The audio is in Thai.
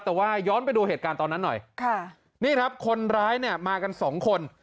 แต่ว่าย้อนไปดูเหตุการณ์ตอนนั้นหน่อยค่ะนี่ครับคนร้ายเนี่ยมากันสองคน